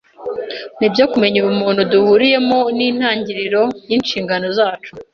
Nibyo, kumenya ubumuntu duhuriyemo nintangiriro yinshingano zacu.